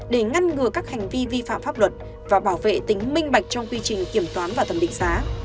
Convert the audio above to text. để ngăn ngừa các hành vi vi phạm pháp luật và bảo vệ tính minh bạch trong quy trình kiểm toán và thẩm định giá